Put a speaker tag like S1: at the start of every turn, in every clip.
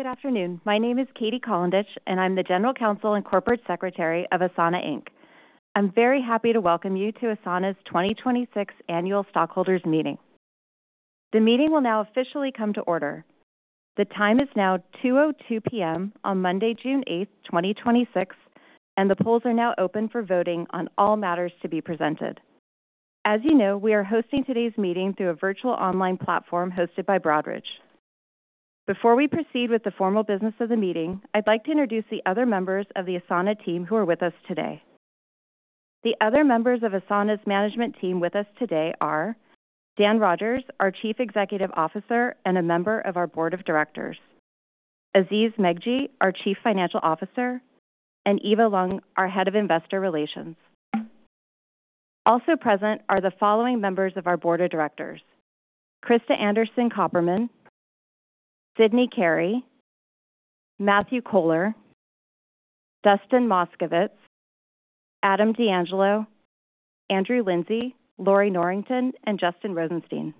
S1: Good afternoon. My name is Katie Colendich, and I am the General Counsel and Corporate Secretary of Asana, Inc. I am very happy to welcome you to Asana's 2026 annual stockholders meeting. The meeting will now officially come to order. The time is now 2:02 P.M. on Monday, June 8th, 2026, and the polls are now open for voting on all matters to be presented. As you know, we are hosting today's meeting through a virtual online platform hosted by Broadridge. Before we proceed with the formal business of the meeting, I would like to introduce the other members of the Asana team who are with us today. The other members of Asana's management team with us today are Dan Rogers, our Chief Executive Officer and a Member of our Board of Directors, Aziz Megji, our Chief Financial Officer, and Eva Leung, our Head of Investor Relations. Also present are the following members of our board of directors: Krista Anderson-Copperman, Sydney Carey, Matthew Cohler, Dustin Moskovitz, Adam D'Angelo, Andrew Lindsay, Lorrie Norrington, and Justin Rosenstein.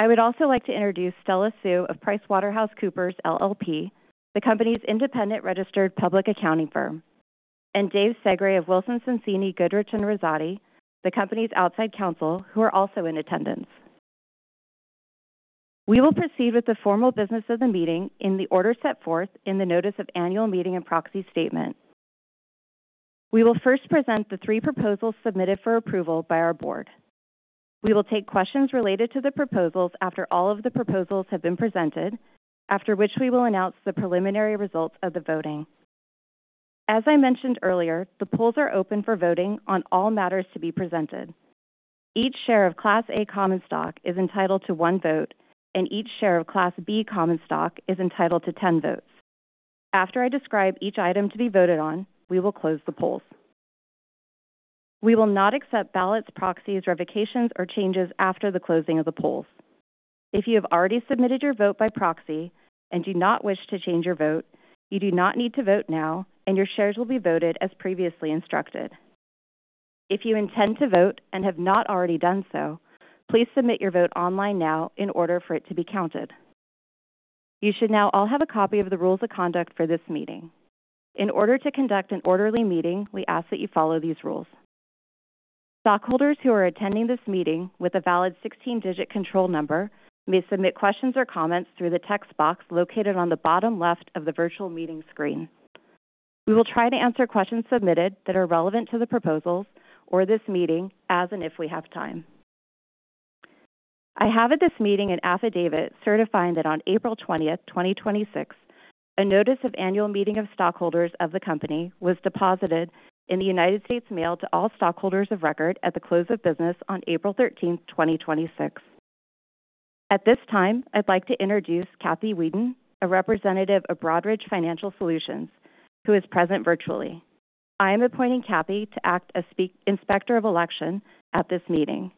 S1: I would also like to introduce Stella Su of PricewaterhouseCoopers LLP, the company's independent registered public accounting firm, and David Segre of Wilson Sonsini Goodrich & Rosati, the company's outside counsel, who are also in attendance. We will proceed with the formal business of the meeting in the order set forth in the notice of annual meeting and proxy statement. We will first present the three proposals submitted for approval by our board. We will take questions related to the proposals after all of the proposals have been presented, after which we will announce the preliminary results of the voting. As I mentioned earlier, the polls are open for voting on all matters to be presented. Each share of Class A common stock is entitled to one vote, and each share of Class B common stock is entitled to 10 votes. After I describe each item to be voted on, we will close the polls. We will not accept ballots, proxies, revocations, or changes after the closing of the polls. If you have already submitted your vote by proxy and do not wish to change your vote, you do not need to vote now, and your shares will be voted as previously instructed. If you intend to vote and have not already done so, please submit your vote online now in order for it to be counted. You should now all have a copy of the rules of conduct for this meeting. In order to conduct an orderly meeting, we ask that you follow these rules. Stockholders who are attending this meeting with a valid 16-digit control number may submit questions or comments through the text box located on the bottom left of the virtual meeting screen. We will try to answer questions submitted that are relevant to the proposals or this meeting as and if we have time. I have at this meeting an affidavit certifying that on April 20th, 2026, a notice of annual meeting of stockholders of the company was deposited in the U.S. Mail to all stockholders of record at the close of business on April 13th, 2026. At this time, I would like to introduce Kathy Weeden, a representative of Broadridge Financial Solutions, who is present virtually. I am appointing Kathy to act as inspector of election at this meeting.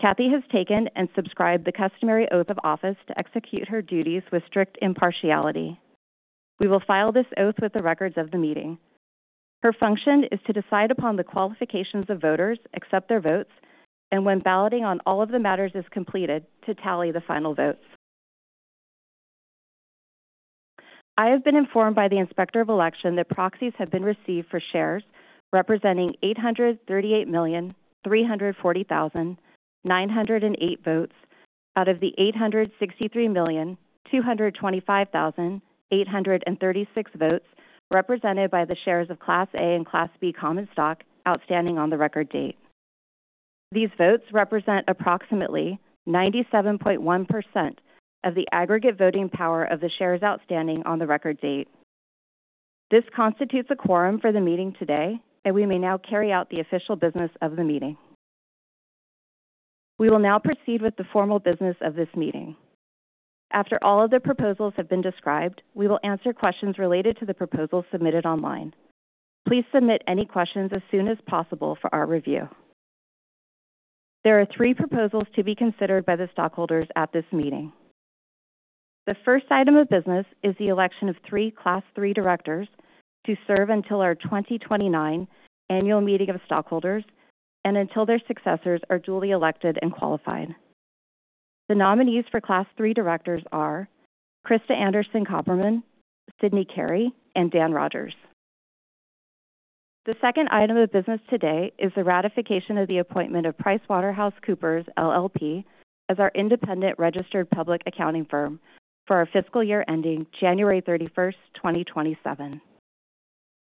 S1: Kathy has taken and subscribed the customary oath of office to execute her duties with strict impartiality. We will file this oath with the records of the meeting. Her function is to decide upon the qualifications of voters, accept their votes, and when balloting on all of the matters is completed, to tally the final votes. I have been informed by the inspector of election that proxies have been received for shares representing 838,340,908 votes out of the 863,225,836 votes represented by the shares of Class A common stock and Class B common stock outstanding on the record date. These votes represent approximately 97.1% of the aggregate voting power of the shares outstanding on the record date. This constitutes a quorum for the meeting today, and we may now carry out the official business of the meeting. We will now proceed with the formal business of this meeting. After all of the proposals have been described, we will answer questions related to the proposals submitted online. Please submit any questions as soon as possible for our review. There are three proposals to be considered by the stockholders at this meeting. The first item of business is the election of three Class III directors to serve until our 2029 annual meeting of stockholders and until their successors are duly elected and qualified. The nominees for Class III directors are Krista Anderson-Copperman, Sydney Carey, and Dan Rogers. The second item of business today is the ratification of the appointment of PricewaterhouseCoopers LLP as our independent registered public accounting firm for our fiscal year ending January 31st, 2027.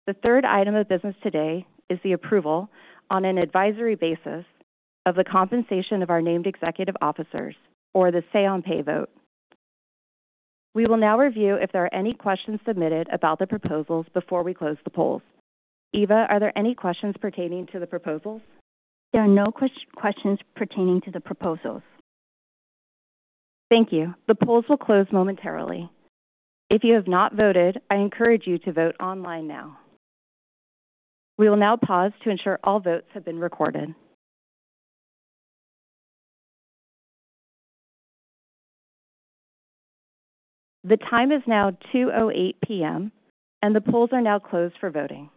S1: The third item of business today is the approval on an advisory basis of the compensation of our named executive officers or the say on pay vote. We will now review if there are any questions submitted about the proposals before we close the polls. Eva, are there any questions pertaining to the proposals?
S2: There are no questions pertaining to the proposals.
S1: Thank you. The polls will close momentarily. If you have not voted, I encourage you to vote online now. We will now pause to ensure all votes have been recorded. The time is now 2:08 P.M., and the polls are now closed for voting.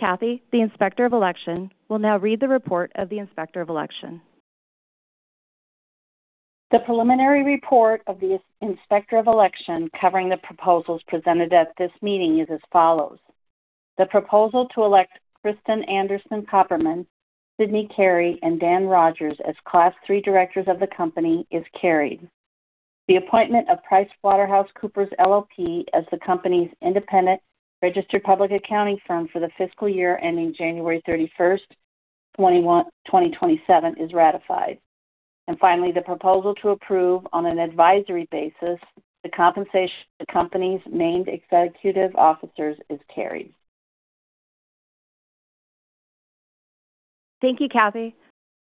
S1: Kathy, the inspector of election, will now read the report of the inspector of election.
S3: The preliminary report of the inspector of election covering the proposals presented at this meeting is as follows. The proposal to elect Krista Anderson-Copperman, Sydney Carey, and Dan Rogers as Class III directors of the company is carried. The appointment of PricewaterhouseCoopers LLP as the company's independent registered public accounting firm for the fiscal year ending January 31st, 2027 is ratified. Finally, the proposal to approve on an advisory basis the compensation of the company's named executive officers is carried.
S1: Thank you, Kathy.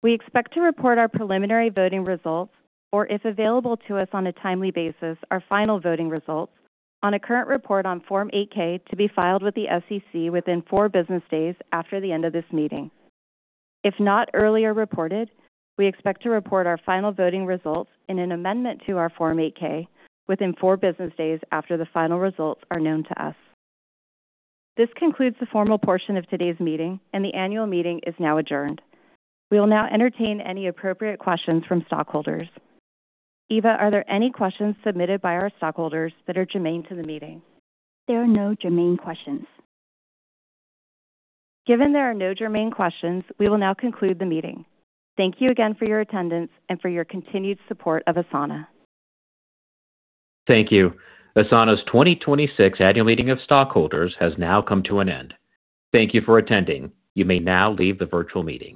S1: We expect to report our preliminary voting results, or if available to us on a timely basis, our final voting results on a current report on Form 8-K to be filed with the SEC within four business days after the end of this meeting. If not earlier reported, we expect to report our final voting results in an amendment to our Form 8-K within four business days after the final results are known to us. This concludes the formal portion of today's meeting, and the annual meeting is now adjourned. We will now entertain any appropriate questions from stockholders. Eva, are there any questions submitted by our stockholders that are germane to the meeting?
S2: There are no germane questions.
S1: Given there are no germane questions, we will now conclude the meeting. Thank you again for your attendance and for your continued support of Asana.
S4: Thank you. Asana's 2026 annual meeting of stockholders has now come to an end. Thank you for attending. You may now leave the virtual meeting.